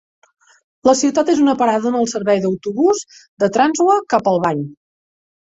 La ciutat és una parada en el servei d'autobús de Transwa cap a Albany.